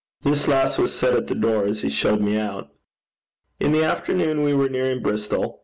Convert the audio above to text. This last was said at the door as he showed me out. In the afternoon we were nearing Bristol.